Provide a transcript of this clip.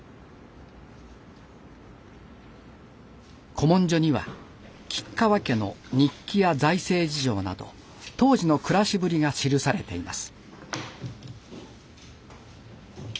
古文書には吉川家の日記や財政事情など当時の暮らしぶりが記されています。